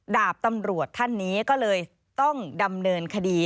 ดาบตำรวจท่านนี้ก็เลยต้องดำเนินคดี